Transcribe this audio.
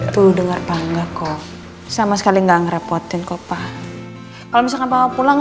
tuh dengar panggak kok sama sekali enggak ngerepotin kopah kalau misalkan bawa pulang